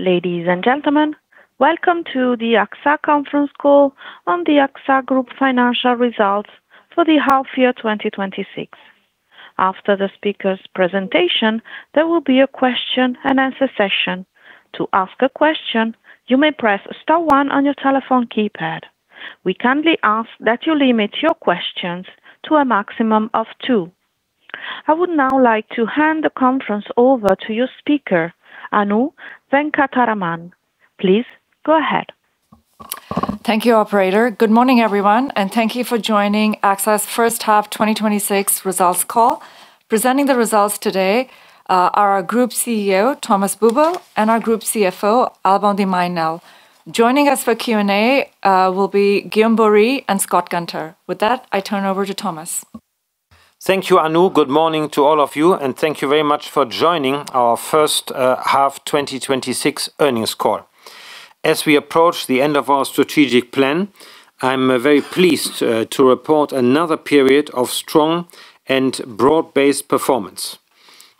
Ladies and gentlemen, welcome to the AXA conference call on the AXA Group financial results for the half year 2026. After the speaker's presentation, there will be a question and answer session. To ask a question, you may press star one on your telephone keypad. We kindly ask that you limit your questions to a maximum of two. I would now like to hand the conference over to your speaker, Anu Venkataraman. Please go ahead. Thank you, operator. Good morning, everyone, and thank you for joining AXA's first half 2026 results call. Presenting the results today are our Group CEO, Thomas Buberl, and our Group Chief Financial Officer, Alban de Mailly Nesle. Joining us for Q&A will be Guillaume Borie and Scott Gunter. With that, I turn over to Thomas. Thank you, Anu. Good morning to all of you, and thank you very much for joining our first half 2026 earnings call. As we approach the end of our strategic plan, I'm very pleased to report another period of strong and broad-based performance.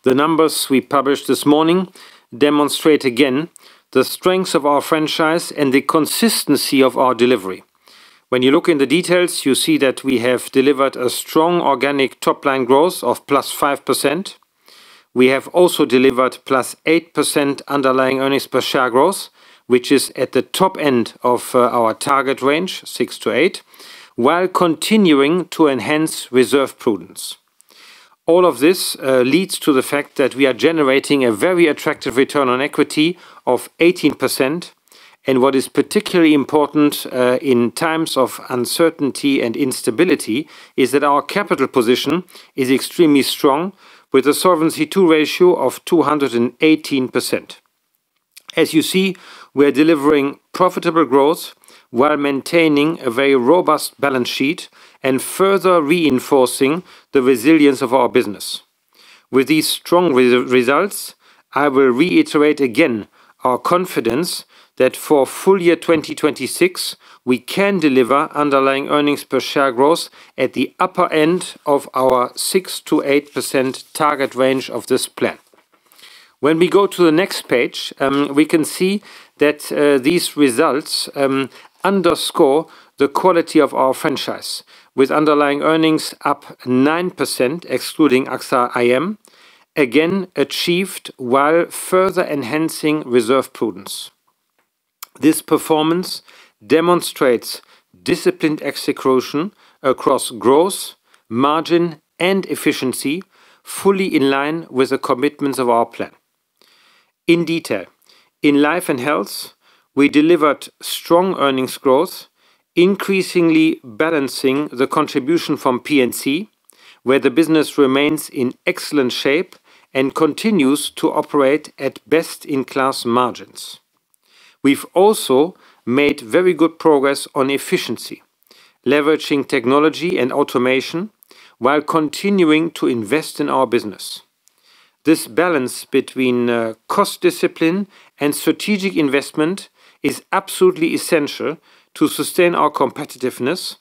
The numbers we published this morning demonstrate again the strength of our franchise and the consistency of our delivery. When you look in the details, you see that we have delivered a strong organic top-line growth of +5%. We have also delivered +8% Underlying Earnings Per Share growth, which is at the top end of our target range, 6%-8%, while continuing to enhance reserve prudence. All of this leads to the fact that we are generating a very attractive return on equity of 18%. What is particularly important in times of uncertainty and instability is that our capital position is extremely strong with a Solvency II ratio of 218%. As you see, we're delivering profitable growth while maintaining a very robust balance sheet and further reinforcing the resilience of our business. With these strong results, I will reiterate again our confidence that for full year 2026, we can deliver Underlying Earnings Per Share growth at the upper end of our 6%-8% target range of this plan. When we go to the next page, we can see that these results underscore the quality of our franchise with underlying earnings up 9%, excluding AXA IM, again achieved while further enhancing reserve prudence. This performance demonstrates disciplined execution across growth, margin, and efficiency, fully in line with the commitments of our plan. In detail, in Life and Health, we delivered strong earnings growth, increasingly balancing the contribution from P&C, where the business remains in excellent shape and continues to operate at best-in-class margins. We've also made very good progress on efficiency, leveraging technology and automation while continuing to invest in our business. This balance between cost discipline and strategic investment is absolutely essential to sustain our competitiveness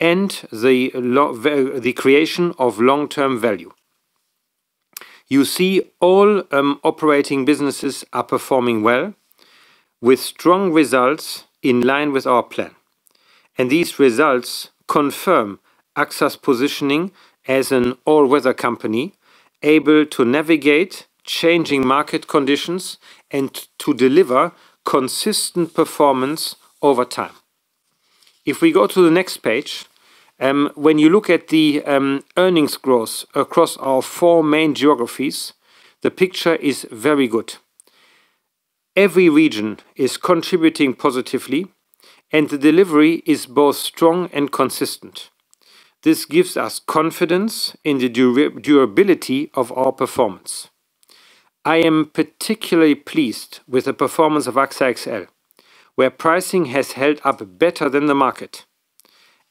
and the creation of long-term value. You see all operating businesses are performing well with strong results in line with our plan. These results confirm AXA's positioning as an all-weather company able to navigate changing market conditions and to deliver consistent performance over time. We go to the next page, when you look at the earnings growth across our four main geographies, the picture is very good. Every region is contributing positively, and the delivery is both strong and consistent. This gives us confidence in the durability of our performance. I am particularly pleased with the performance of AXA XL, where pricing has held up better than the market.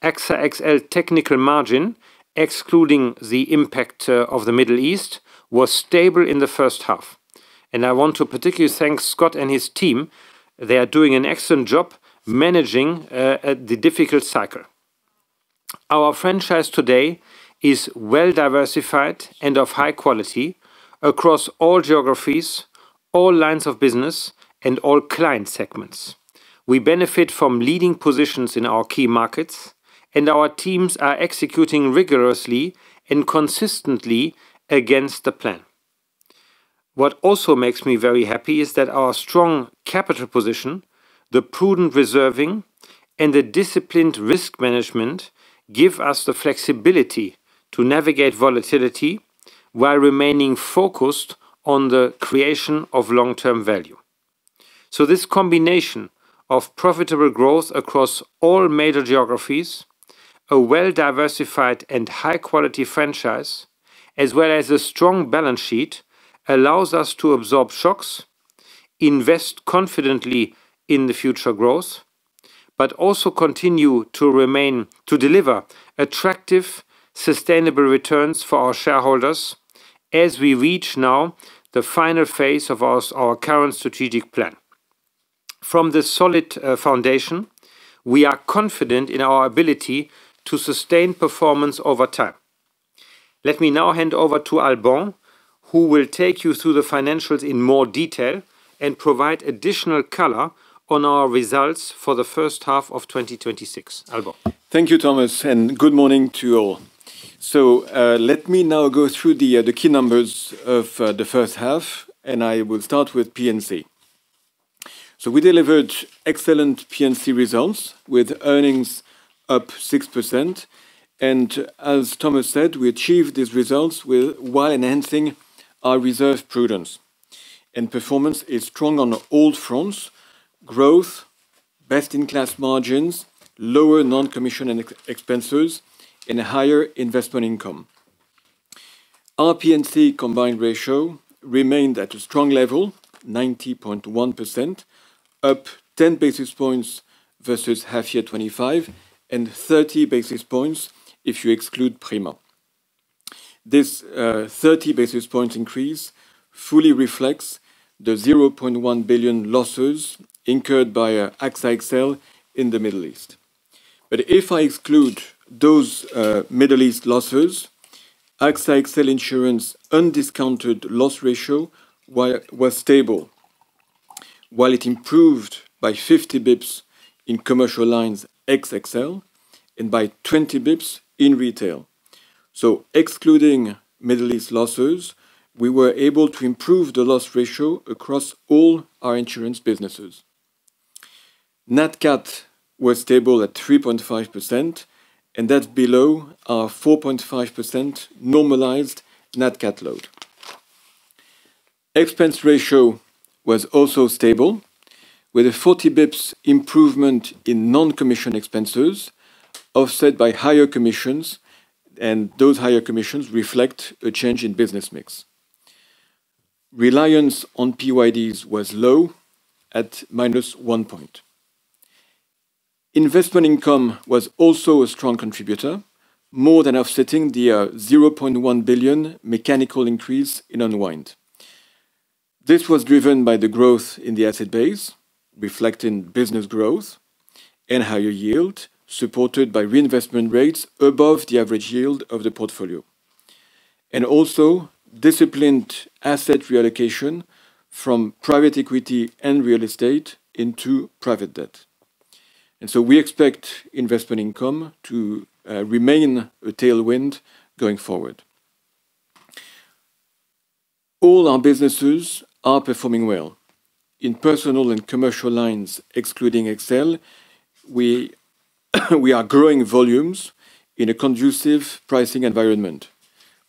AXA XL technical margin, excluding the impact of the Middle East, was stable in the first half. I want to particularly thank Scott and his team. They are doing an excellent job managing the difficult cycle. Our franchise today is well-diversified and of high quality across all geographies, all lines of business, and all client segments. We benefit from leading positions in our key markets, and our teams are executing rigorously and consistently against the plan. Also makes me very happy is that our strong capital position, the prudent reserving, and the disciplined risk management give us the flexibility to navigate volatility while remaining focused on the creation of long-term value. This combination of profitable growth across all major geographies, a well-diversified and high-quality franchise, as well as a strong balance sheet, allows us to absorb shocks, invest confidently in the future growth, but also continue to deliver attractive, sustainable returns for our shareholders as we reach now the final phase of our current strategic plan. From this solid foundation, we are confident in our ability to sustain performance over time. Let me now hand over to Alban, who will take you through the financials in more detail and provide additional color on our results for the first half of 2026. Alban? Thank you, Thomas. Good morning to you all. Let me now go through the key numbers of the first half, and I will start with P&C. We delivered excellent P&C results with earnings up 6%. As Thomas said, we achieved these results while enhancing our reserve prudence. Performance is strong on all fronts, growth, best-in-class margins, lower non-commission expenses, and a higher investment income. Our P&C combined ratio remained at a strong level, 90.1%, up 10 basis points vs half year 2025, and 30 basis points if you exclude Prima. This 30 basis points increase fully reflects the 0.1 billion losses incurred by AXA XL in the Middle East. If I exclude those Middle East losses, AXA XL Insurance undiscounted loss ratio was stable, while it improved by 50 basis points in commercial lines ex-XL and by 20 basis points in retail. Excluding Middle East losses, we were able to improve the loss ratio across all our Insurance businesses. Nat Cat was stable at 3.5%, that's below our 4.5% normalized Nat Cat load. Expense ratio was also stable, with a 40 basis points improvement in non-commission expenses offset by higher commissions, those higher commissions reflect a change in business mix. Reliance on PYDs was low at -1 point. Investment income was also a strong contributor, more than offsetting the 0.1 billion mechanical increase in unwind. This was driven by the growth in the asset base, reflecting business growth and higher yield, supported by reinvestment rates above the average yield of the portfolio. Also disciplined asset reallocation from private equity and real estate into private debt. We expect investment income to remain a tailwind going forward. All our businesses are performing well. In personal and commercial lines, excluding XL, we are growing volumes in a conducive pricing environment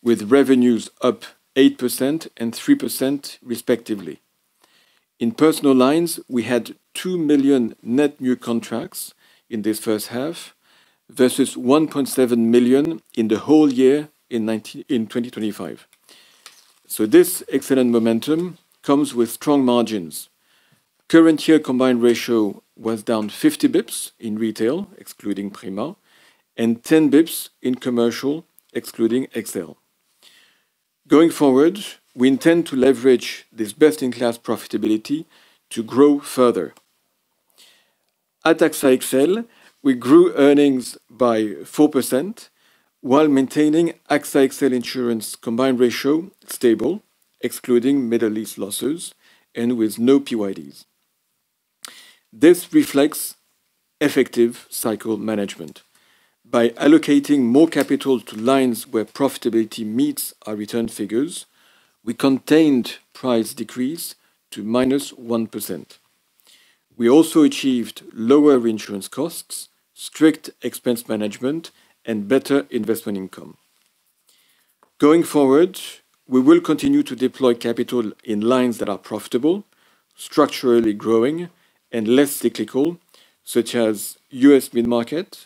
with revenues up 8% and 3% respectively. In personal lines, we had two million net new contracts in this first half vs 1.7 million in the whole year in 2025. This excellent momentum comes with strong margins. Current year combined ratio was down 50 basis points in retail, excluding Prima, and 10 basis points in commercial, excluding XL. Going forward, we intend to leverage this best-in-class profitability to grow further. At AXA XL, we grew earnings by 4% while maintaining AXA XL Insurance combined ratio stable, excluding Middle East losses and with no PYDs. This reflects effective cycle management. By allocating more capital to lines where profitability meets our return figures, we contained price decrease to -1%. We also achieved lower insurance costs, strict expense management, and better investment income. Going forward, we will continue to deploy capital in lines that are profitable, structurally growing and less cyclical, such as U.S. mid-market,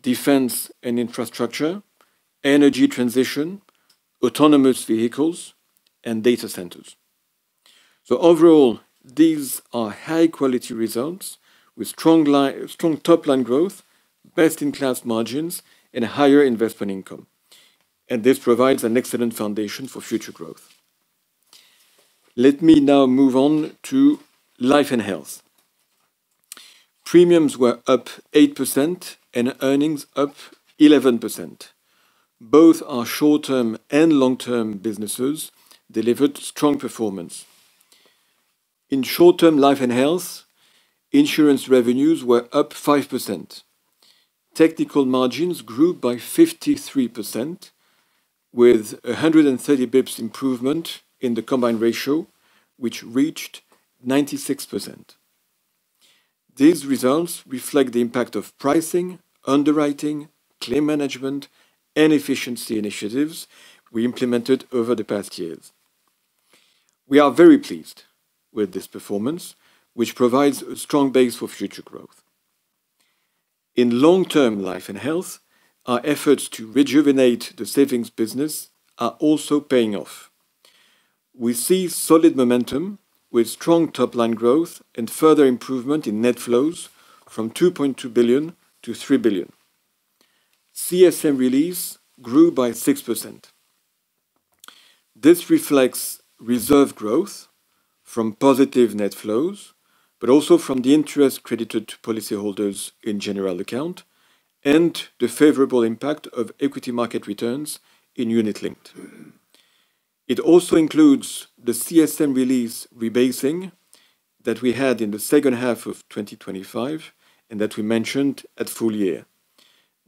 defense and infrastructure, energy transition, autonomous vehicles, and data centers. Overall, these are high-quality results with strong top-line growth, best-in-class margins, and higher investment income. This provides an excellent foundation for future growth. Let me now move on to life and health. Premiums were up 8% and earnings up 11%. Both our short-term and long-term businesses delivered strong performance. In short-term life and health, insurance revenues were up 5%. Technical margins grew by 53% with 130 basis points improvement in the combined ratio, which reached 96%. These results reflect the impact of pricing, underwriting, claim management, and efficiency initiatives we implemented over the past years. We are very pleased with this performance, which provides a strong base for future growth. In long-term life and health, our efforts to rejuvenate the savings business are also paying off. We see solid momentum with strong top-line growth and further improvement in net flows from 2.2 billion-3 billion. CSM release grew by 6%. This reflects reserve growth from positive net flows, but also from the interest credited to policyholders in general account and the favorable impact of equity market returns in unit linked. It also includes the CSM release rebasing that we had in the second half of 2025, that we mentioned at full year.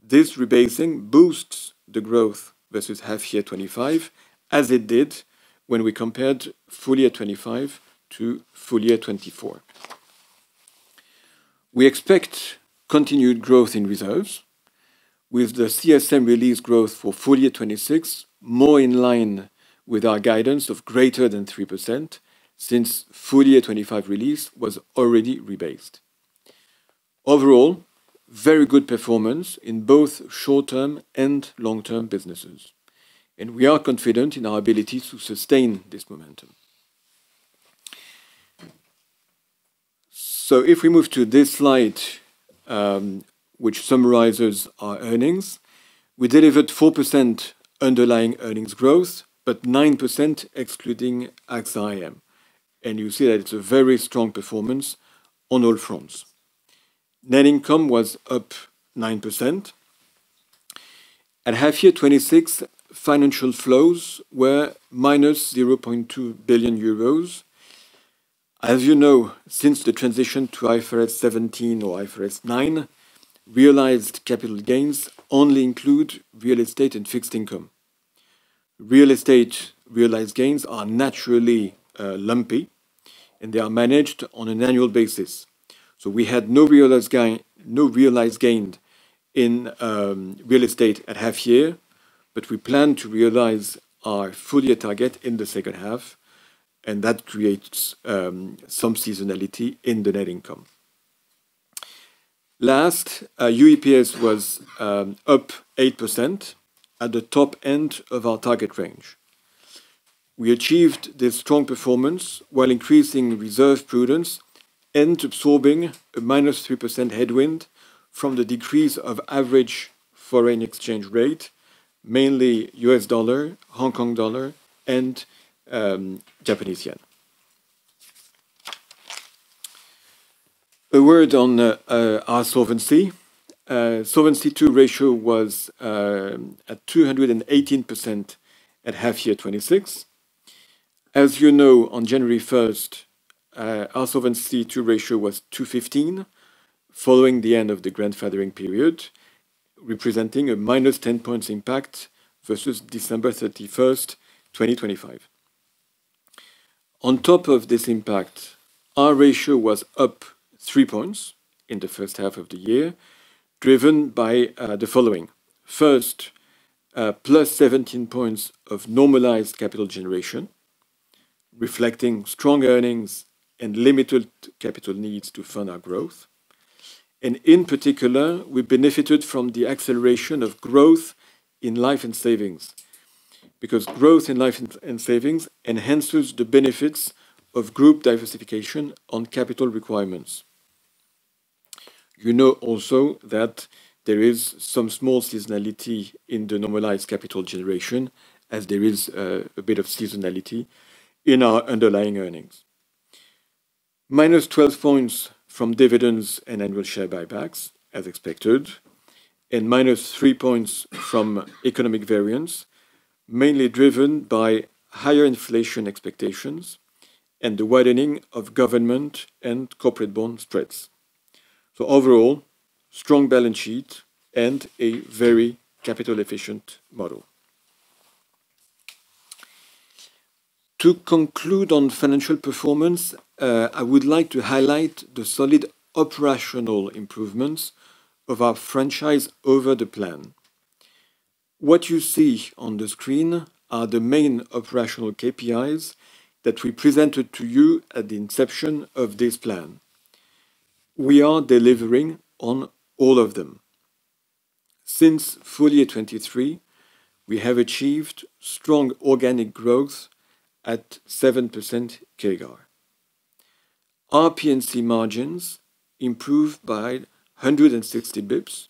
This rebasing boosts the growth vs half year 2025 as it did when we compared full year 2025 to full year 2024. We expect continued growth in reserves with the CSM release growth for full year 2026, more in line with our guidance of greater than 3% since full year 2025 release was already rebased. Overall, very good performance in both short-term and long-term businesses, and we are confident in our ability to sustain this momentum. If we move to this slide, which summarizes our earnings, we delivered 4% Underlying Earnings Per Share growth, but 9% excluding AXA IM. You see that it's a very strong performance on all fronts. Net income was up 9%. At half year 2026, financial flows were -0.2 billion euros. As you know, since the transition to IFRS 17 or IFRS 9, realized capital gains only include real estate and fixed income. Real estate realized gains are naturally lumpy and they are managed on an annual basis. We had no realized gain in real estate at half year, but we plan to realize our full year target in the second half, and that creates some seasonality in the net income. Last, UEPS was up 8% at the top end of our target range. We achieved this strong performance while increasing reserve prudence and absorbing a -3% headwind from the decrease of average foreign exchange rate, mainly U.S. dollar, Hong Kong dollar, and Japanese yen. A word on our Solvency II. Solvency II ratio was at 218% at half year 2026. As you know, on January 1st, our Solvency II ratio was 215%, following the end of the grandfathering period, representing a -10 points impact vs December 31st, 2025. On top of this impact, our ratio was up three points in the first half of the year driven by the following. First, +17 points of normalized capital generation, reflecting strong earnings and limited capital needs to fund our growth. In particular, we benefited from the acceleration of growth in life and savings because growth in life and savings enhances the benefits of group diversification on capital requirements. You know also that there is some small seasonality in the normalized capital generation as there is a bit of seasonality in our underlying earnings. -12 points from dividends and annual share buybacks as expected, -3 points from economic variance, mainly driven by higher inflation expectations and the widening of government and corporate bond spreads. Overall, strong balance sheet and a very capital efficient model. To conclude on financial performance, I would like to highlight the solid operational improvements of our franchise over the plan. What you see on the screen are the main operational KPIs that we presented to you at the inception of this plan. We are delivering on all of them. Since full year 2023, we have achieved strong organic growth at 7% CAGR. Our P&C margins improved by 160 basis points,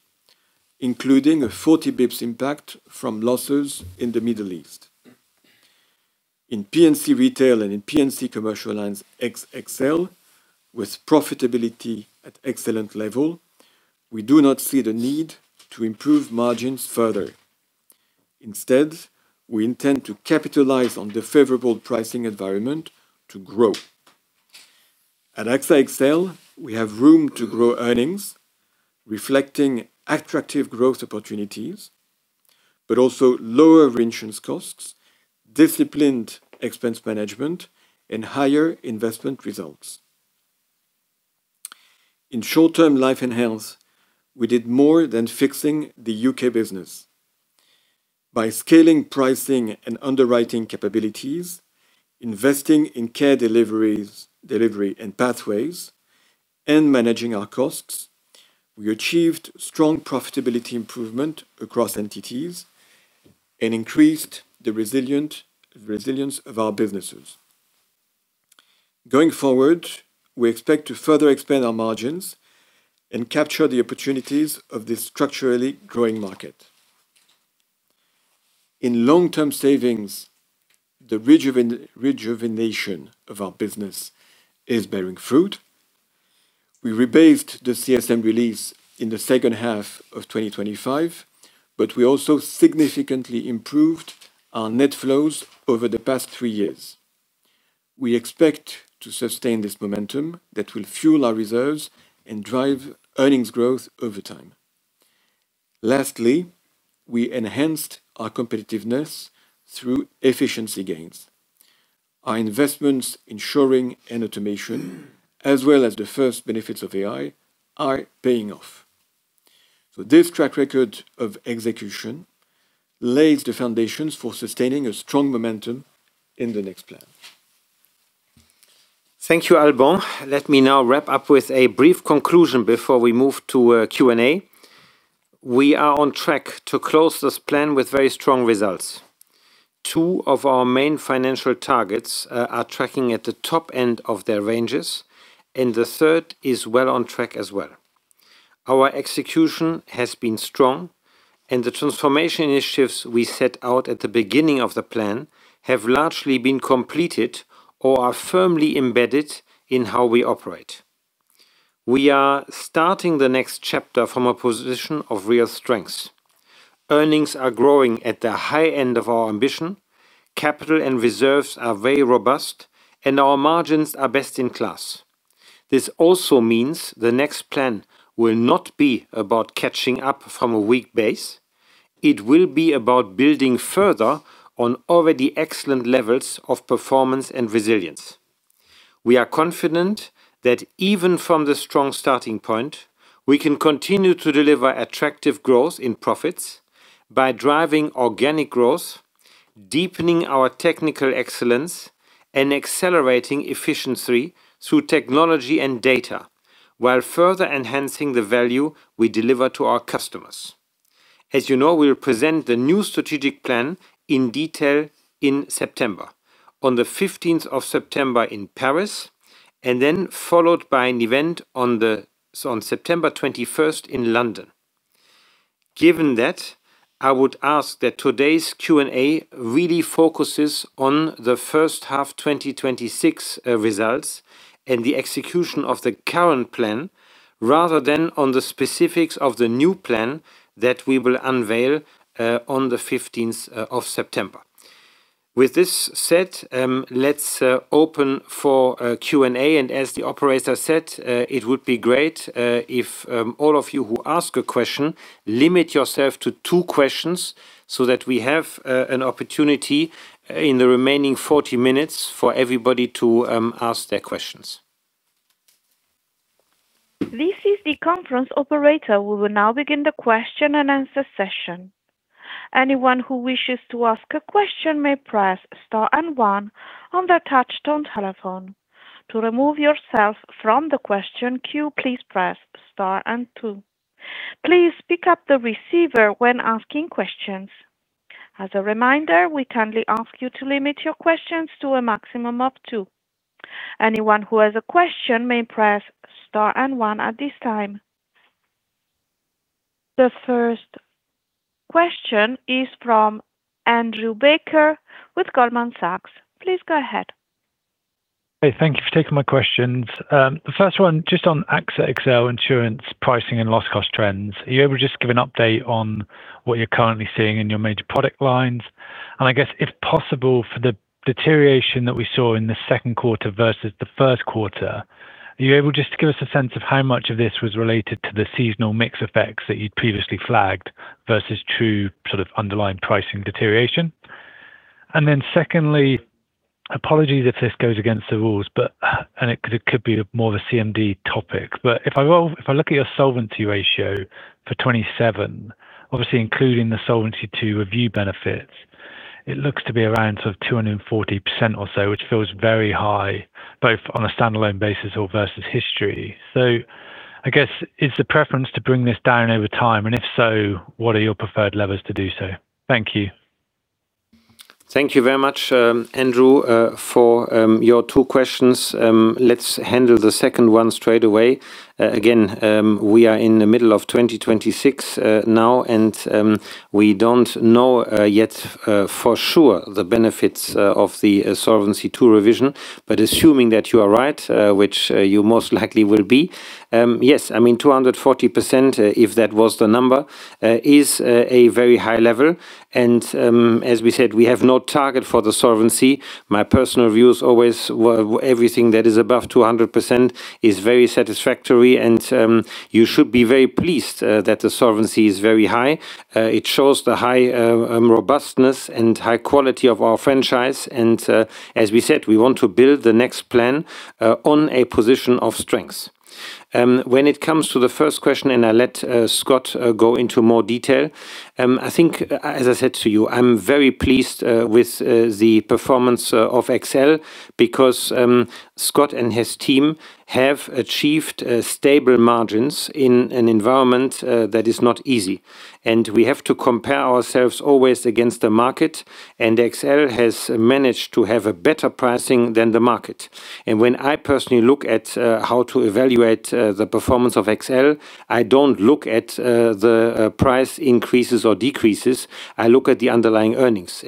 including a 40 basis points impact from losses in the Middle East. In P&C retail and in P&C commercial lines, XL with profitability at excellent level, we do not see the need to improve margins further. Instead, we intend to capitalize on the favorable pricing environment to grow. At AXA XL, we have room to grow earnings, reflecting attractive growth opportunities, but also lower reinsurance costs, disciplined expense management, and higher investment results. In short-term life and health, we did more than fixing the U.K. business. By scaling pricing and underwriting capabilities, investing in care delivery and pathways, and managing our costs, we achieved strong profitability improvement across entities and increased the resilience of our businesses Going forward, we expect to further expand our margins and capture the opportunities of this structurally growing market. In long-term savings, the rejuvenation of our business is bearing fruit. We rebased the CSM release in the second half of 2025, but we also significantly improved our net flows over the past three years. We expect to sustain this momentum that will fuel our reserves and drive earnings growth over time. Lastly, we enhanced our competitiveness through efficiency gains. Our investments in shoring and automation, as well as the first benefits of AI, are paying off. This track record of execution lays the foundations for sustaining a strong momentum in the next plan. Thank you, Alban. Let me now wrap up with a brief conclusion before we move to a Q&A. We are on track to close this plan with very strong results. Two of our main financial targets are tracking at the top end of their ranges, and the third is well on track as well. Our execution has been strong, and the transformation initiatives we set out at the beginning of the plan have largely been completed or are firmly embedded in how we operate. We are starting the next chapter from a position of real strength. Earnings are growing at the high end of our ambition. Capital and reserves are very robust, and our margins are best in class. This also means the next plan will not be about catching up from a weak base. It will be about building further on already excellent levels of performance and resilience. We are confident that even from this strong starting point, we can continue to deliver attractive growth in profits by driving organic growth, deepening our technical excellence, and accelerating efficiency through technology and data while further enhancing the value we deliver to our customers. As you know, we'll present the new strategic plan in detail in September, on the 15th of September in Paris, and then followed by an event on September 21st in London. Given that, I would ask that today's Q&A really focuses on the first half 2026 results and the execution of the current plan, rather than on the specifics of the new plan that we will unveil on the 15th of September. With this set, let's open for a Q&A, and as the operator said, it would be great if all of you who ask a question limit yourself to two questions so that we have an opportunity in the remaining 40 minutes for everybody to ask their questions. This is the conference operator. We will now begin the question-and-answer session. Anyone who wishes to ask a question may press star and one on their touch-tone telephone. To remove yourself from the question queue, please press star and two. Please pick up the receiver when asking questions. As a reminder, we kindly ask you to limit your questions to a maximum of two. Anyone who has a question may press star and one at this time. The first question is from Andrew Baker with Goldman Sachs. Please go ahead. Hey. Thank you for taking my questions. The first one, just on AXA XL Insurance pricing and loss cost trends. Are you able to just give an update on what you're currently seeing in your major product lines? I guess, if possible, for the deterioration that we saw in the second quarter vs the first quarter, are you able just to give us a sense of how much of this was related to the seasonal mix effects that you'd previously flagged vs true underlying pricing deterioration? Then secondly, apologies if this goes against the rules, and it could be more of a CMD topic. If I look at your Solvency ratio for 2027, obviously including the Solvency II review benefits, it looks to be around 240% or so, which feels very high, both on a standalone basis or vs history. I guess, is the preference to bring this down over time? If so, what are your preferred levers to do so? Thank you. Thank you very much, Andrew, for your two questions. Let's handle the second one straight away. Again, we are in the middle of 2026 now, and we don't know yet for sure the benefits of the Solvency II revision. Assuming that you are right, which you most likely will be, yes, 240%, if that was the number, is a very high level, and as we said, we have no target for the Solvency. My personal view is always everything that is above 200% is very satisfactory, and you should be very pleased that the Solvency is very high. It shows the high robustness and high quality of our franchise. As we said, we want to build the next plan on a position of strength. When it comes to the first question, I'll let Scott go into more detail. I think, as I said to you, I'm very pleased with the performance of AXA XL because Scott and his team have achieved stable margins in an environment that is not easy. We have to compare ourselves always against the market, AXA XL has managed to have a better pricing than the market. When I personally look at how to evaluate the performance of AXA XL, I don't look at the price increases or decreases. I look at the underlying earnings.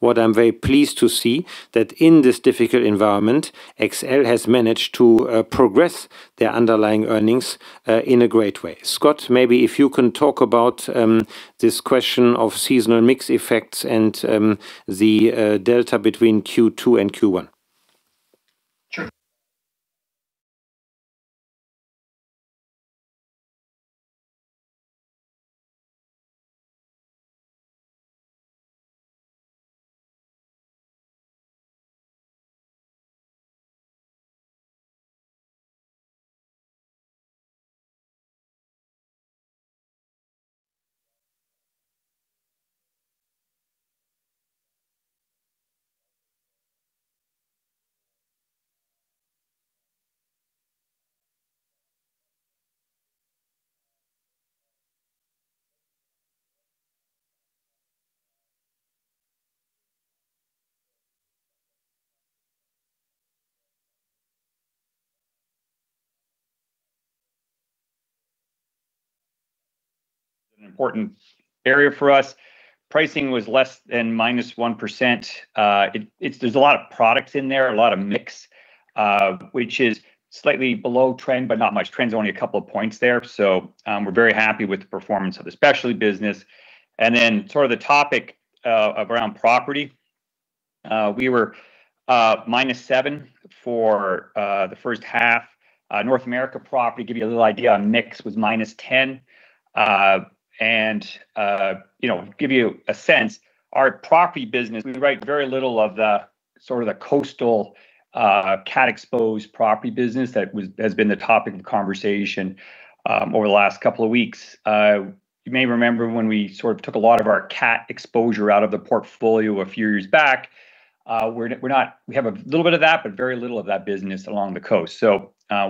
What I'm very pleased to see, that in this difficult environment, AXA XL has managed to progress their underlying earnings in a great way. Scott, maybe if you can talk about this question of seasonal mix effects and the delta between Q2 and Q1. Sure. An important area for us. Pricing was less than -1%. There's a lot of products in there, a lot of mix, which is slightly below trend, but not much. Trend's only a couple of points there. We're very happy with the performance of the specialty business. Sort of the topic around property. We were -7% for the first half. North America property, give you a little idea on mix, was -10%. Give you a sense, our property business, we write very little of the coastal Nat Cat exposed property business that has been the topic of conversation over the last couple of weeks. You may remember when we took a lot of our Nat Cat exposure out of the portfolio a few years back. We have a little bit of that, but very little of that business along the coast.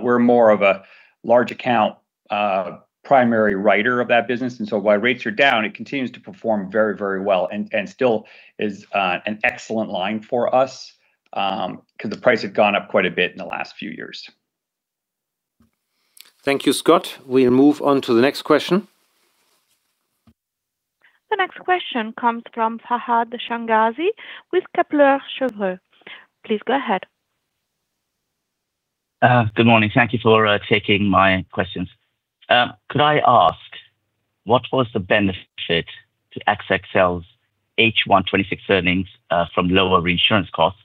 We're more of a large account primary writer of that business. While rates are down, it continues to perform very well and still is an excellent line for us, because the price had gone up quite a bit in the last few years. Thank you, Scott. We'll move on to the next question. The next question comes from Fahad Changazi with Kepler Cheuvreux. Please go ahead. Good morning. Thank you for taking my questions. Could I ask what was the benefit to AXA XL's H1 2026 earnings from lower reinsurance costs?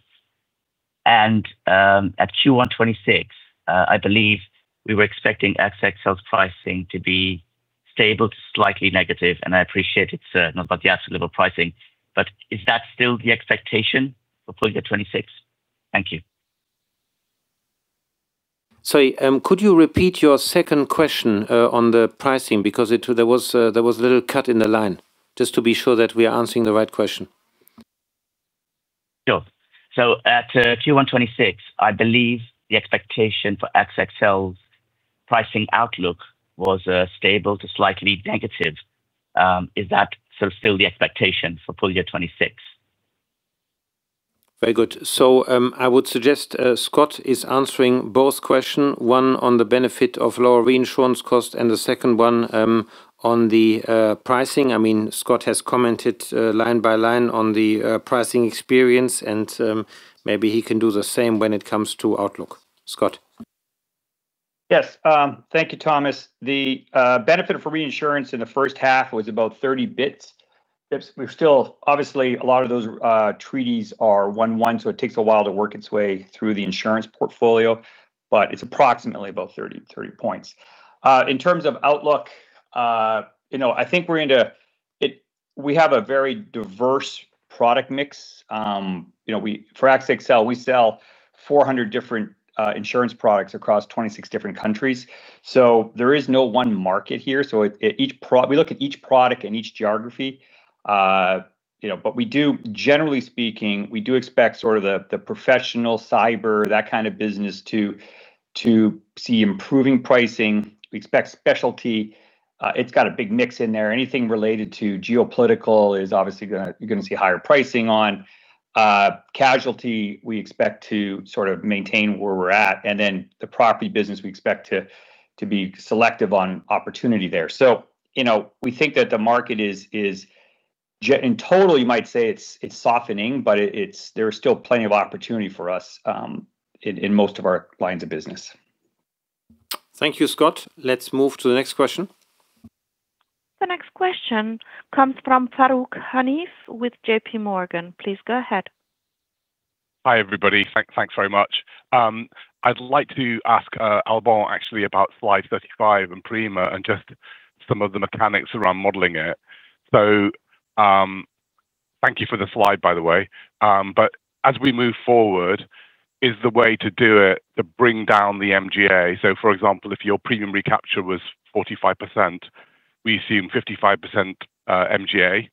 At Q1 2026, I believe we were expecting AXA XL's pricing to be stable to slightly negative, I appreciate it's not about the absolute level pricing, but is that still the expectation for full year 2026? Thank you. Sorry, could you repeat your second question on the pricing because there was a little cut in the line, just to be sure that we are answering the right question. Sure. At Q1 2026, I believe the expectation for AXA XL's pricing outlook was stable to slightly negative. Is that still the expectation for full year 2026? Very good. I would suggest Scott is answering both question, one on the benefit of lower reinsurance cost and the second one on the pricing. Scott has commented line by line on the pricing experience, and maybe he can do the same when it comes to outlook. Scott? Yes. Thank you, Thomas. The benefit for reinsurance in the first half was about 30 basis points. Obviously, a lot of those treaties are one, so it takes a while to work its way through the insurance portfolio, but it's approximately about 30 basis points. In terms of outlook, we have a very diverse product mix. For AXA XL, we sell 400 different insurance products across 26 different countries. There is no one market here. We look at each product and each geography. Generally speaking, we do expect the professional cyber, that kind of business to see improving pricing. We expect specialty. It's got a big mix in there. Anything related to geopolitical is obviously you're going to see higher pricing on. Casualty, we expect to maintain where we're at. The property business, we expect to be selective on opportunity there. We think that the market in total you might say it's softening, but there is still plenty of opportunity for us in most of our lines of business. Thank you, Scott. Let's move to the next question. The next question comes from Farooq Hanif with JPMorgan. Please go ahead. Hi, everybody. Thanks very much. I'd like to ask Alban actually about slide 35 and Prima and just some of the mechanics around modeling it. Thank you for the slide, by the way. As we move forward, is the way to do it to bring down the MGA? For example, if your premium recapture was 45%, we assume 55% MGA,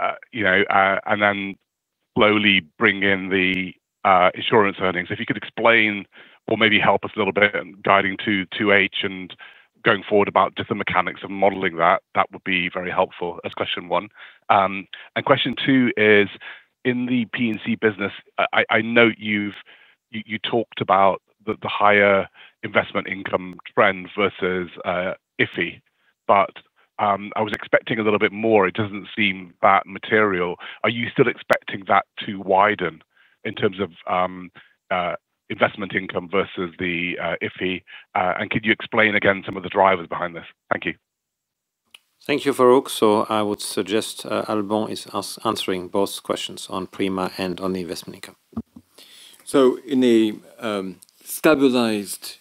and then slowly bring in the insurance earnings. If you could explain or maybe help us a little bit in guiding 2H and going forward about just the mechanics of modeling that would be very helpful as question one. Question two is in the P&C business, I note you talked about the higher investment income trend vs IFI. I was expecting a little bit more. It doesn't seem that material. Are you still expecting that to widen in terms of investment income vs the IFI? Could you explain again some of the drivers behind this? Thank you. Thank you, Farooq. I would suggest Alban is answering both questions on Prima and on the investment income. In a stabilized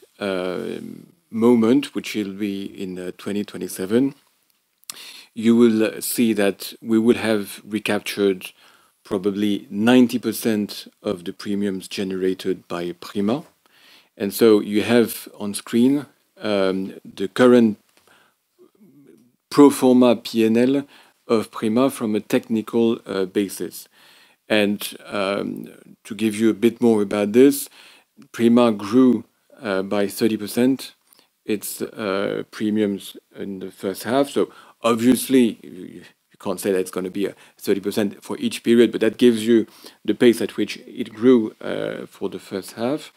moment, which will be in 2027, you will see that we would have recaptured probably 90% of the premiums generated by Prima. You have on screen, the current pro forma P&L of Prima from a technical basis. To give you a bit more about this, Prima grew by 30% its premiums in the first half, obviously you can't say that it's going to be 30% for each period, but that gives you the pace at which it grew for the first half.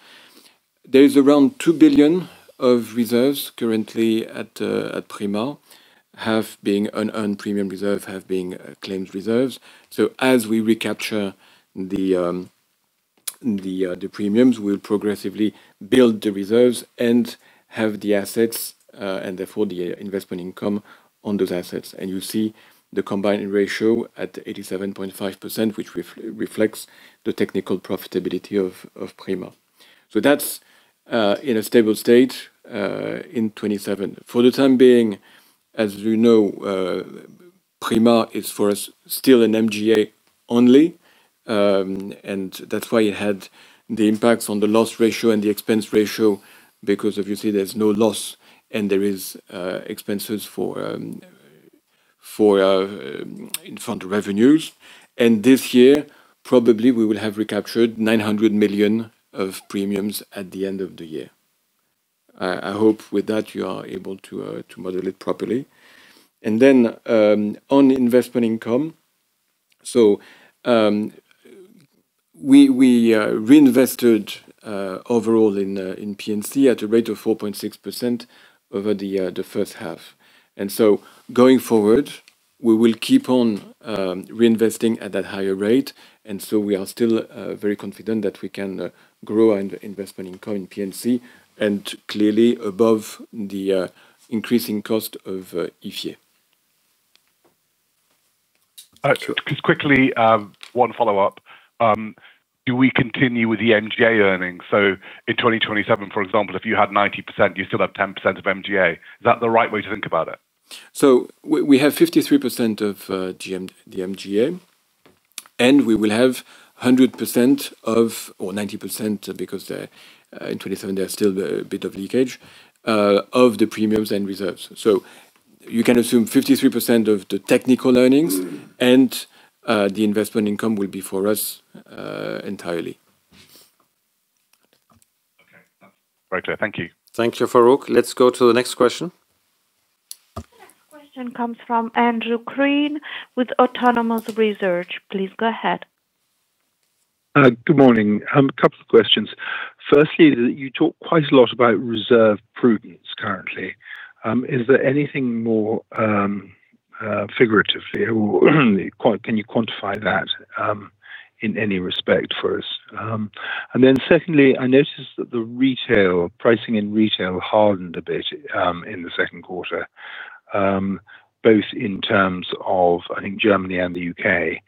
There is around 2 billion of reserves currently at Prima, half being unearned premium reserve, half being claimed reserves. As we recapture the premiums, we'll progressively build the reserves and have the assets, and therefore the investment income on those assets. You see the combined ratio at 87.5%, which reflects the technical profitability of Prima. That's in a stable state, in 2027. For the time being, as you know, Prima is for us still an MGA only, and that's why it had the impacts on the loss ratio and the expense ratio because obviously there's no loss and there is expenses in front of revenues. This year, probably we will have recaptured 900 million of premiums at the end of the year. I hope with that you are able to model it properly. On investment income, we reinvested overall in P&C at a rate of 4.6% over the first half. Going forward, we will keep on reinvesting at that higher rate, we are still very confident that we can grow our investment income in P&C and clearly above the increasing cost of IFI. Just quickly, one follow-up. Do we continue with the MGA earnings? In 2027, for example, if you had 90%, you still have 10% of MGA. Is that the right way to think about it? We have 53% of the MGA, and we will have 100% of or 90% because in 2027 there's still a bit of leakage, of the premiums and reserves. You can assume 53% of the technical earnings and the investment income will be for us entirely. Okay. That's great. Thank you. Thank you, Farooq. Let's go to the next question. The next question comes from Andrew Crean with Autonomous Research. Please go ahead. Good morning. A couple of questions. Firstly, you talk quite a lot about reserve prudence currently. Is there anything more figuratively? Can you quantify that, in any respect for us? Secondly, I noticed that the pricing in retail hardened a bit in the second quarter, both in terms of, I think, Germany and the U.K.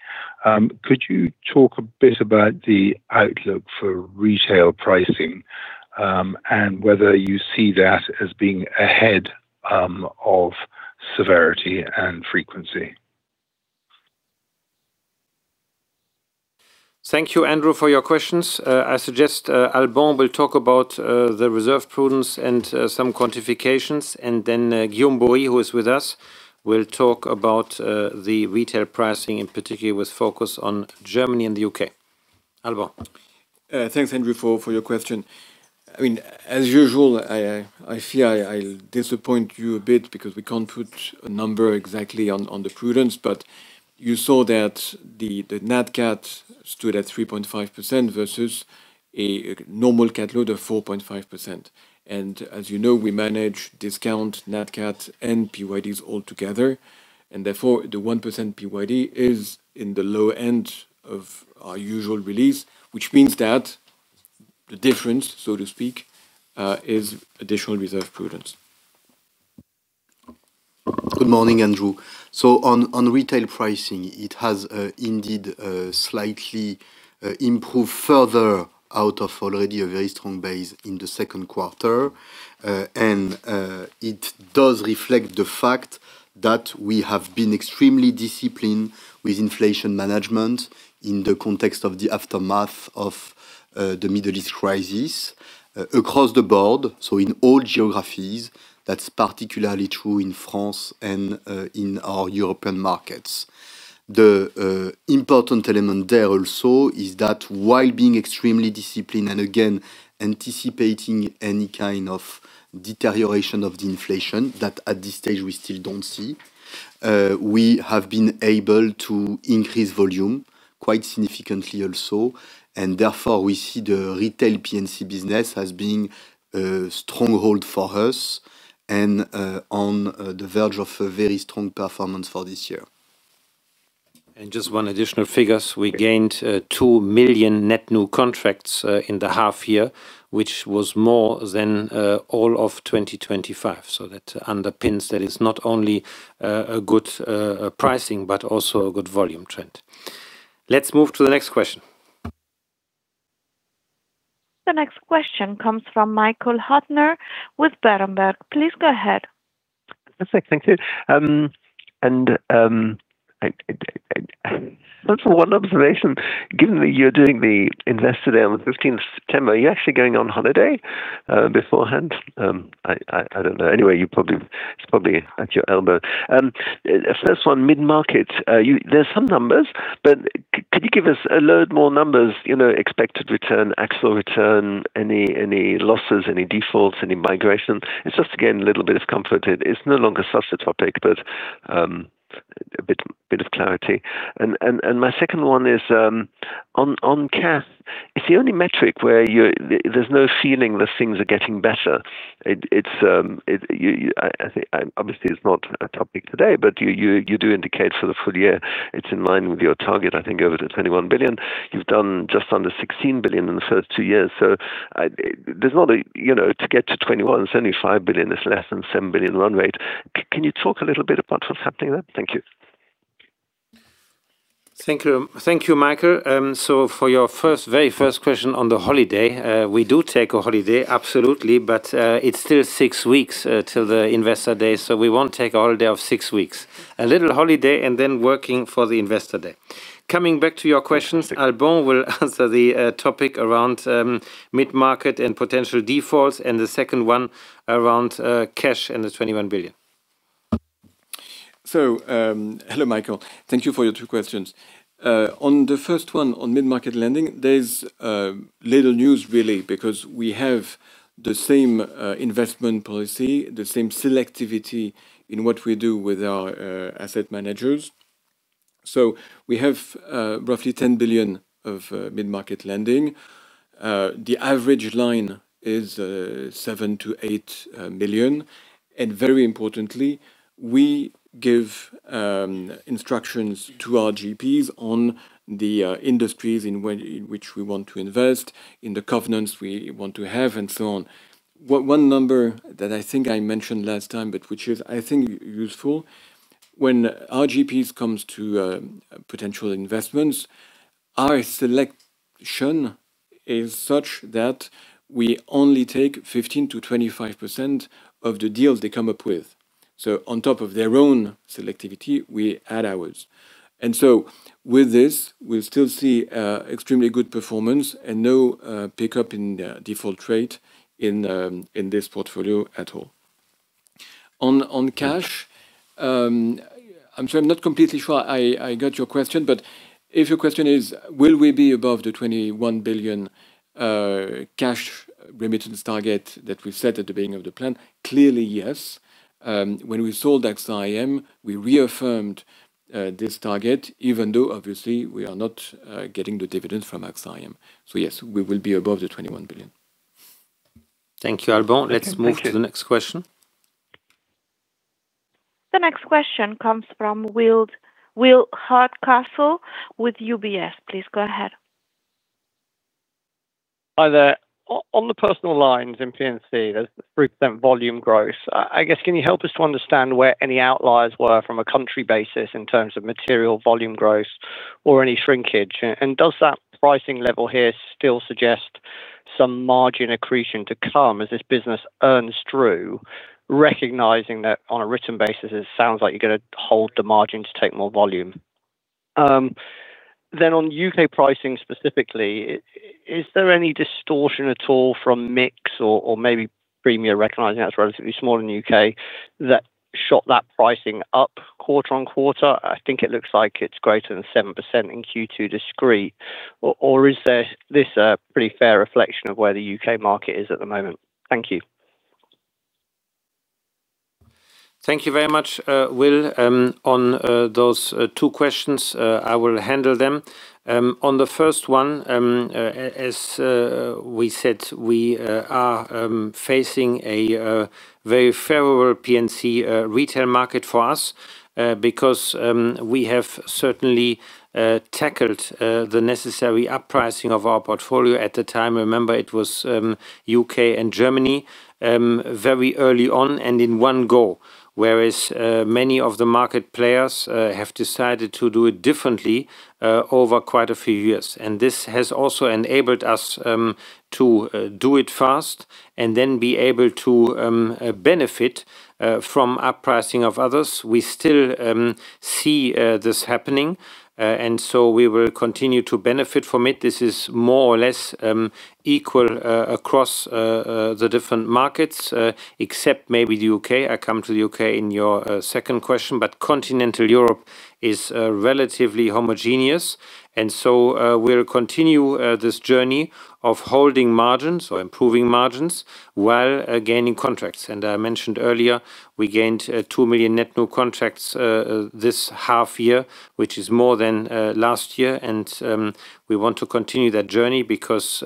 Could you talk a bit about the outlook for retail pricing, and whether you see that as being ahead of severity and frequency? Thank you, Andrew, for your questions. I suggest Alban will talk about the reserve prudence and some quantifications, then Guillaume Borie, who is with us, will talk about the retail pricing, in particular with focus on Germany and the U.K. Alban? Thanks, Andrew, for your question. As usual, I fear I'll disappoint you a bit because we can't put a number exactly on the prudence, but you saw that the Nat Cat stood at 3.5% vs a normal cat load of 4.5%. As you know, we manage discount, Nat Cat, and PYDs all together, therefore, the 1% PYD is in the low end of our usual release, which means that the difference, so to speak, is additional reserve prudence. Good morning, Andrew. On retail pricing, it has indeed slightly improved further out of already a very strong base in the second quarter. It does reflect the fact that we have been extremely disciplined with inflation management in the context of the aftermath of the Middle East crisis across the board, so in all geographies. That's particularly true in France and in our European markets. The important element there also is that while being extremely disciplined, again, anticipating any kind of deterioration of the inflation that at this stage we still don't see, we have been able to increase volume quite significantly also. Therefore, we see the retail P&C business as being a stronghold for us and on the verge of a very strong performance for this year. Just two million net new contracts in the half year, which was more than all of 2025. That underpins that it's not only a good pricing but also a good volume trend. Let's move to the next question. The next question comes from Michael Huttner with Berenberg. Please go ahead. Perfect, thank you. First of all, one observation, given that you're doing the Investor Day on the 15th of September, are you actually going on holiday beforehand? I don't know. Anyway, it's probably at your elbow. First one, mid-market. There's some numbers, but could you give us a load more numbers, expected return, actual return, any losses, any defaults, any migration? It's just to gain a little bit of comfort. It's no longer such a topic, but a bit of clarity. My second one is on cash. It's the only metric where there's no feeling that things are getting better. Obviously it's not a topic today, but you do indicate for the full year it's in line with your target, I think over the 21 billion. You've done just under 16 billion in the first two years. To get to 21 billion, it's only 5 billion, it's less than 7 billion run rate. Can you talk a little bit about what's happening there? Thank you. Thank you, Michael. For your very first question on the holiday, we do take a holiday, absolutely, but it's still six weeks till the Investor Day, so we won't take a holiday of six weeks. A little holiday and then working for the Investor Day. Coming back to your questions, Alban will answer the topic around mid-market and potential defaults, and the second one around cash and the 21 billion. Hello, Michael. Thank you for your two questions. On the first one, on mid-market lending, there is little news really, because we have the same investment policy, the same selectivity in what we do with our asset managers. We have roughly 10 billion of mid-market lending. The average line is 7 million-8 million, and very importantly, we give instructions to our GPs on the industries in which we want to invest, in the covenants we want to have, and so on. One number that I think I mentioned last time, but which is, I think, useful, when our GPs comes to potential investments, our selection is such that we only take 15%-25% of the deals they come up with. So on top of their own selectivity, we add ours. With this, we still see extremely good performance and no pickup in default rate in this portfolio at all. On cash, I am not completely sure I got your question, but if your question is will we be above the 21 billion cash remittance target that we set at the beginning of the plan? Clearly, yes. When we sold AXA IM, we reaffirmed this target, even though obviously we are not getting the dividends from AXA IM. Yes, we will be above the 21 billion. Thank you, Alban. Let us move to the next question. The next question comes from Will Hardcastle with UBS. Please go ahead. Hi there. On the personal lines in P&C, there's 3% volume growth. I guess can you help us to understand where any outliers were from a country basis in terms of material volume growth or any shrinkage? Does that pricing level here still suggest some margin accretion to come as this business earns through, recognizing that on a written basis, it sounds like you're going to hold the margin to take more volume. On U.K. pricing specifically, is there any distortion at all from mix or maybe premium, recognizing that's relatively small in the U.K., that shot that pricing up quarter-on-quarter? I think it looks like it's greater than 7% in Q2 discrete. Is this a pretty fair reflection of where the U.K. market is at the moment? Thank you. Thank you very much, Will. On those two questions, I will handle them. On the first one, as we said, we are facing a very favorable P&C retail market for us because we have certainly tackled the necessary up-pricing of our portfolio at the time. Remember it was U.K. and Germany very early on and in one go, whereas many of the market players have decided to do it differently over quite a few years. This has also enabled us to do it fast and then be able to benefit from up-pricing of others. We still see this happening, so we will continue to benefit from it. This is more or less equal across the different markets, except maybe the U.K. I come to the U.K. in your second question. Continental Europe is relatively homogeneous, so we'll continue this journey of holding margins or improving margins while gaining contracts. I mentioned earlier we gained 2 million net new contracts this half year, which is more than last year, and we want to continue that journey because,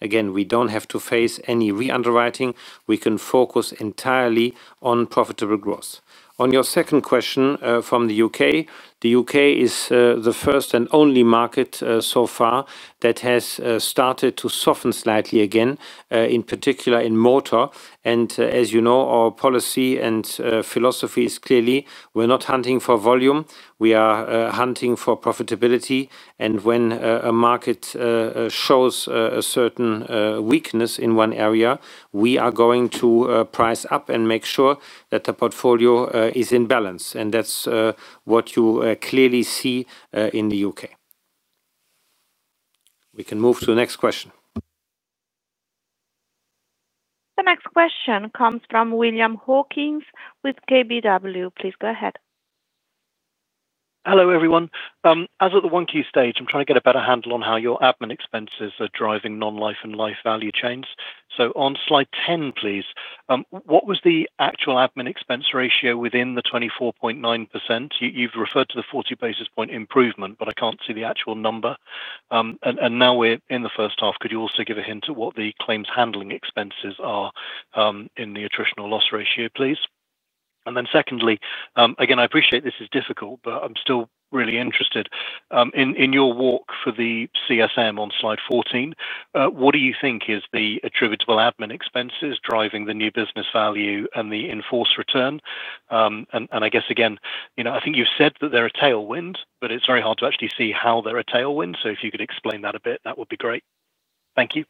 again, we don't have to face any re-underwriting. We can focus entirely on profitable growth. On your second question from the U.K., the U.K. is the first and only market so far that has started to soften slightly again, in particular in motor. As you know, our policy and philosophy is clearly we're not hunting for volume. We are hunting for profitability. When a market shows a certain weakness in one area, we are going to price up and make sure that the portfolio is in balance. That's what you clearly see in the U.K. We can move to the next question. The next question comes from William Hawkins with KBW. Please go ahead. Hello, everyone. As of the 1Q stage, I'm trying to get a better handle on how your admin expenses are driving non-life and life value chains. On slide 10, please, what was the actual admin expense ratio within the 24.9%? You've referred to the 40 basis point improvement, but I can't see the actual number. Now we're in the first half, could you also give a hint at what the claims handling expenses are in the attritional loss ratio, please? Secondly, again, I appreciate this is difficult, but I'm still really interested. In your walk for the CSM on slide 14, what do you think is the attributable admin expenses driving the new business value and the in-force return? I guess, again, I think you've said that they're a tailwind, but it's very hard to actually see how they're a tailwind. If you could explain that a bit, that would be great. Thank you.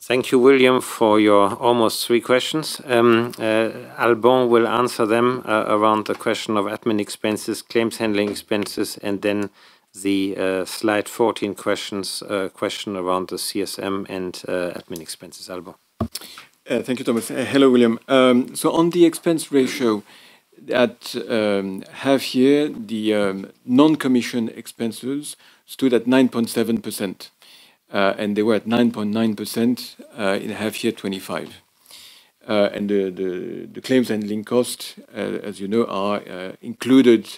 Thank you, William, for your almost three questions. Alban will answer them around the question of admin expenses, claims handling expenses, the slide 14 question around the CSM and admin expenses. Alban? Thank you, Thomas. Hello, William. On the expense ratio at half year, the non-commission expenses stood at 9.7%, and they were at 9.9% in half year 2025. The claims handling costs, as you know, are included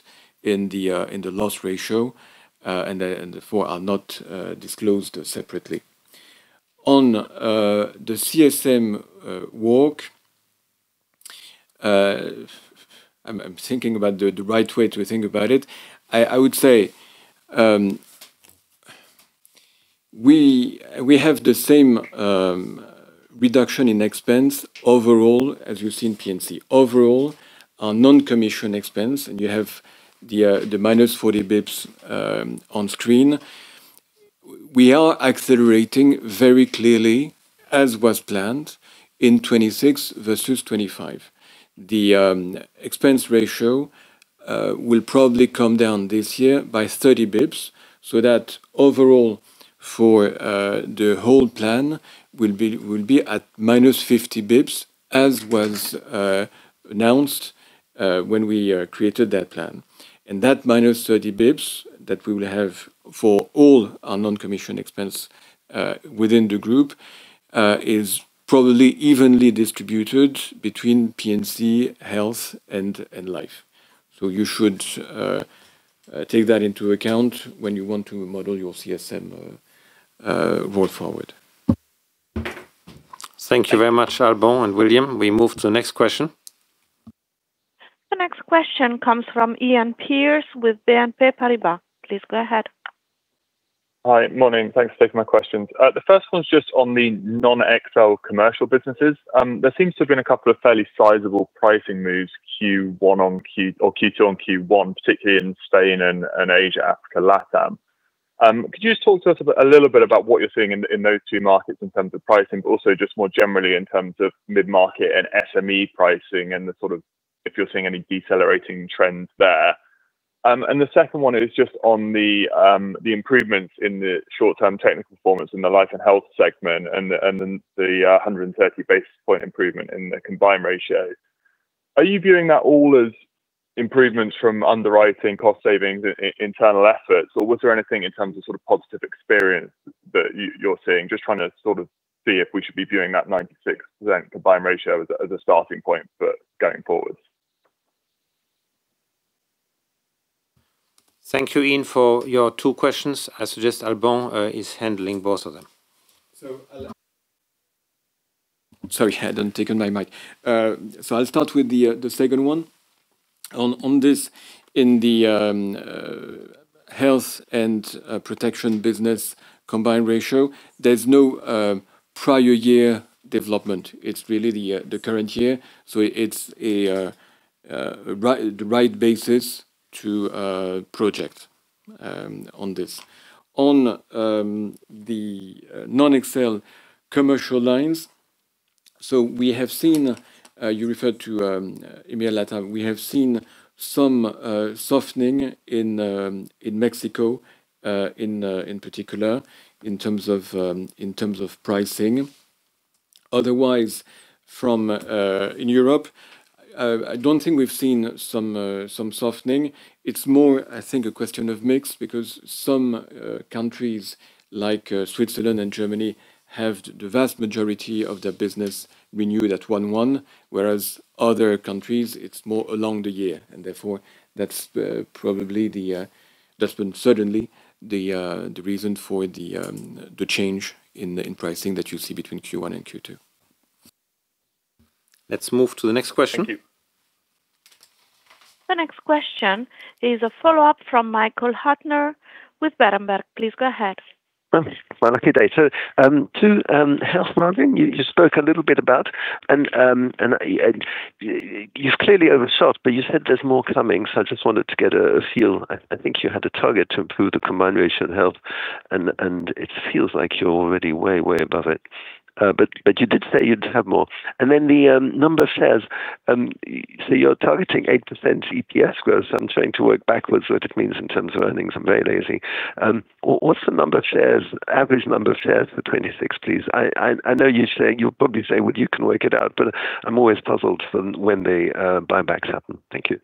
in the loss ratio, and therefore are not disclosed separately. On the CSM walk, I am thinking about the right way to think about it. I would say we have the same reduction in expense overall as you see in P&C. Overall, our non-commission expense, and you have the -40 basis points on screen. We are accelerating very clearly as was planned in 2026 vs 2025. The expense ratio will probably come down this year by 30 basis points. That overall for the whole plan will be at -50 basis points as was announced when we created that plan. That -30 basis points that we will have for all our non-commission expense within the group is probably evenly distributed between P&C, health, and life. You should take that into account when you want to model your CSM going forward. Thank you very much, Alban and William. We move to the next question. The next question comes from Iain Pearce with BNP Paribas. Please go ahead. Hi. Morning. Thanks for taking my questions. The first one's just on the non-AXA XL commercial businesses. There seems to have been a couple of fairly sizable pricing moves Q2 on Q1, particularly in Spain and Asia, Africa, LATAM. Could you just talk to us a little bit about what you're seeing in those two markets in terms of pricing, but also just more generally in terms of mid-market and SME pricing and if you're seeing any decelerating trends there. The second one is just on the improvements in the short-term technical performance in the life and health segment and then the 130 basis point improvement in the combined ratio. Are you viewing that all as improvements from underwriting cost savings, internal efforts, or was there anything in terms of positive experience that you're seeing? Just trying to see if we should be viewing that 96% combined ratio as a starting point for going forward. Thank you, Iain, for your two questions. I suggest Alban is handling both of them. Sorry, I hadn't taken my mic. I'll start with the second one. On this, in the health and protection business combined ratio, there's no prior year development. It's really the current year. It's the right basis to project on this. On the non-AXA XL commercial lines, you referred to EMEA and LATAM. We have seen some softening in Mexico, in particular, in terms of pricing. Otherwise, in Europe, I don't think we've seen some softening. It's more, I think, a question of mix because some countries like Switzerland and Germany have the vast majority of their business renewed at 1/1, whereas other countries, it's more along the year. Therefore, that's been certainly the reason for the change in pricing that you see between Q1 and Q2. Let's move to the next question. Thank you. The next question is a follow-up from Michael Huttner with Berenberg. Please go ahead. My lucky day. To health margin, you spoke a little bit about, and you've clearly overshot, but you said there's more coming, so I just wanted to get a feel. I think you had a target to improve the combined ratio in health, and it feels like you're already way above it. You did say you'd have more. Then the number of shares, so you're targeting 8% EPS growth. I'm trying to work backwards what it means in terms of earnings. I'm very lazy. What's the average number of shares for 2026, please? I know you'll probably say, "Well, you can work it out," but I'm always puzzled for when the buybacks happen. Thank you.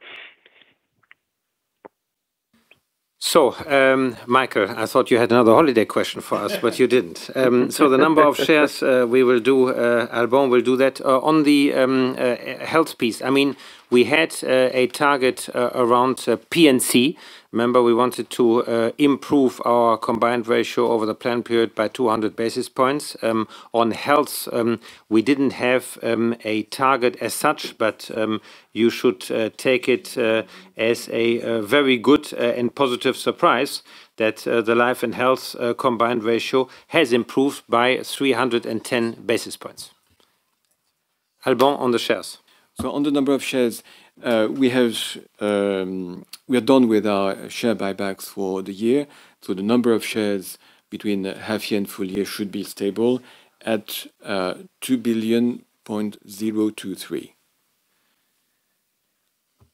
Michael, I thought you had another holiday question for us, you didn't. The number of shares, Alban will do that. On the health piece, we had a target around P&C. Remember, we wanted to improve our combined ratio over the plan period by 200 basis points. On health, we didn't have a target as such, but you should take it as a very good and positive surprise that the life and health combined ratio has improved by 310 basis points. Alban, on the shares. On the number of shares, we are done with our share buybacks for the year. The number of shares between half year and full year should be stable at 2.023 billion.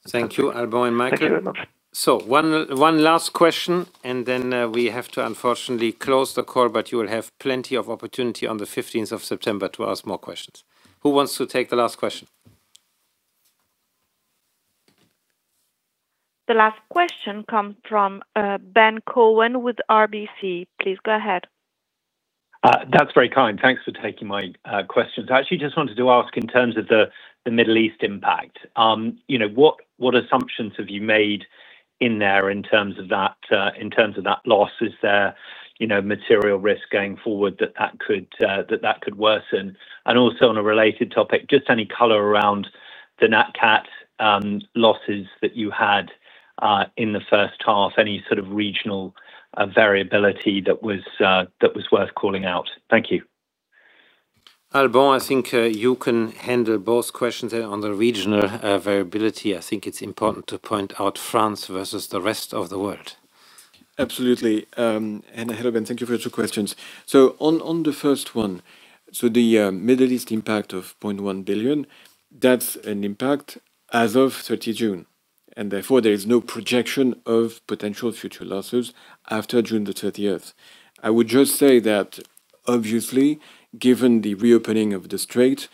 Thank you, Alban and Michael. Thank you very much. One last question, and then we have to unfortunately close the call, but you will have plenty of opportunity on the 15th of September to ask more questions. Who wants to take the last question? The last question comes from Ben Cohen with RBC. Please go ahead. That's very kind. Thanks for taking my questions. I actually just wanted to ask in terms of the Middle East impact, what assumptions have you made in there in terms of that loss? Is there material risk going forward that that could worsen? Also on a related topic, just any color around the Nat Cat losses that you had in the first half, any sort of regional variability that was worth calling out? Thank you. Alban, I think you can handle both questions there on the regional variability. I think it's important to point out France vs the rest of the world. Absolutely. Hello, Ben, thank you for the two questions. On the first one, the Middle East impact of 0.1 billion, that is an impact as of 30 June, therefore, there is no projection of potential future losses after June 30th. I would just say that obviously, given the reopening of the strait,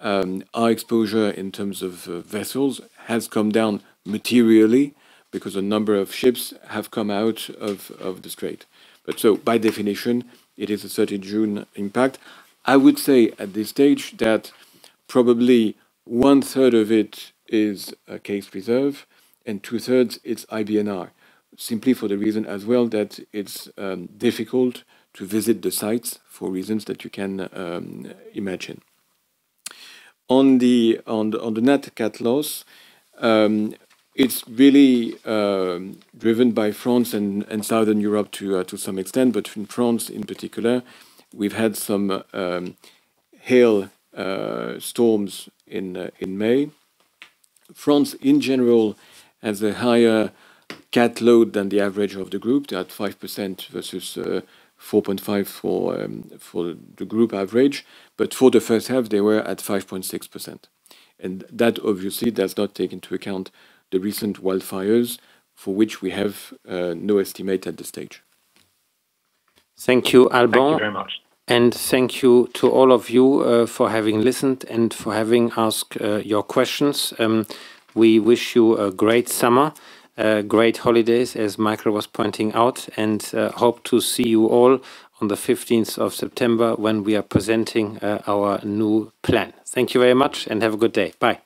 our exposure in terms of vessels has come down materially because a number of ships have come out of the strait. By definition, it is a 30 June impact. I would say at this stage that probably 1/3 of it is a case reserve and 2/3 it is IBNR, simply for the reason as well that it is difficult to visit the sites for reasons that you can imagine. On the Nat Cat loss, it is really driven by France and Southern Europe to some extent, in France in particular, we have had some hail storms in May. France in general has a higher cat load than the average of the group. They are at 5% vs 4.5% for the group average. For the first half, they were at 5.6%. That obviously does not take into account the recent wildfires for which we have no estimate at this stage. Thank you, Alban. Thank you very much. Thank you to all of you for having listened and for having asked your questions. We wish you a great summer, great holidays, as Michael was pointing out, and hope to see you all on the 15th of September when we are presenting our new plan. Thank you very much. Have a good day. Bye.